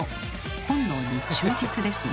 「本能に忠実ですね」。